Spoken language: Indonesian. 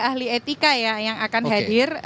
ahli etika ya yang akan hadir